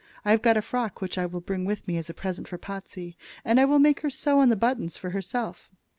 I have got a frock which I will bring with me as a present for Potsey; and I will make her sew on the buttons for herself.